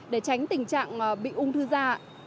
để tránh tình trạng bị ung thư da